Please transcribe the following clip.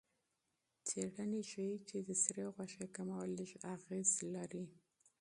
موندنې ښيي چې د سرې غوښې کمول لږ اغېز لري.